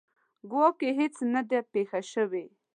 ګواکې هیڅ نه ده پېښه شوې.